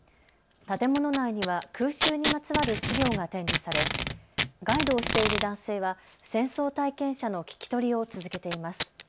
建物内には空襲にまつわる資料が展示されガイドをしている男性は戦争体験者の聞き取りを続けています。